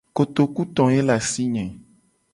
Kotoku to ye le asi nye.